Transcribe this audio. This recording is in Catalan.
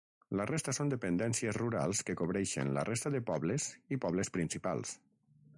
La resta són dependències rurals que cobreixen la resta de pobles i pobles principals.